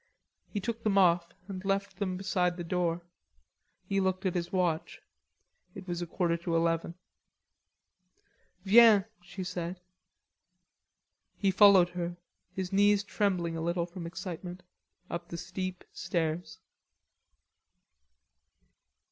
He took them off, and left them beside the door. He looked at his watch. It was a quarter to eleven. "Viens," she said. He followed her, his knees trembling a little from excitement, up the steep stairs.